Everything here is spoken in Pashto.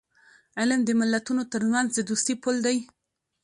علم د ملتونو ترمنځ د دوستی پل دی.